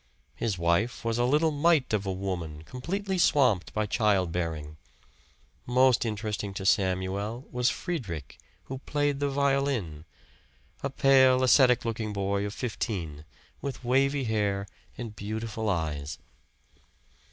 His wife was a little mite of a woman, completely swamped by child bearing. Most interesting to Samuel was Friedrich, who played the violin; a pale ascetic looking boy of fifteen, with wavy hair and beautiful eyes.